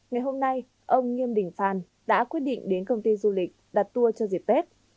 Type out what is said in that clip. ngày hôm nay ông nghiêm đình phan đã quyết định đến công ty du lịch đặt tour cho dịp tết